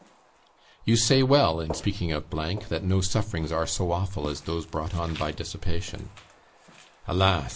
"You say well, in speaking of , that no sufferings are so awful as those brought on by dissipation; alas!